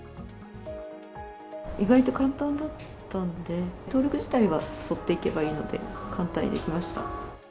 意外と簡単だったんで、登録自体は沿っていけばいいので、簡単にできました。